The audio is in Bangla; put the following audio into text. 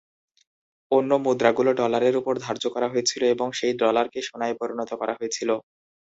অন্য মুদ্রাগুলো ডলারের ওপর ধার্য করা হয়েছিল এবং সেই ডলারকে সোনায় পরিণত করা হয়েছিল।